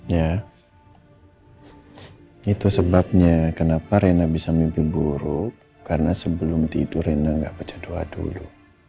ya itu sebabnya kenapa rina bisa mimpi buruk karena sebelum tidur rina gak baca doa dulu